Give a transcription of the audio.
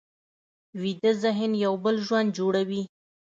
ویده ذهن یو بل ژوند جوړوي